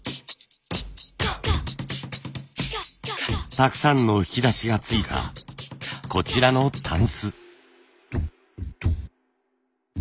たくさんの引き出しがついたこちらのタンス。